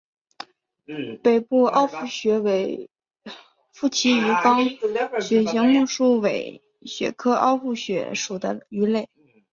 北部凹腹鳕为辐鳍鱼纲鳕形目鼠尾鳕科凹腹鳕属的鱼类。